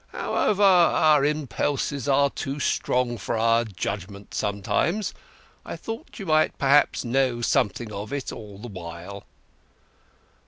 "However, our impulses are too strong for our judgement sometimes. I thought you might perhaps know something of it all the while."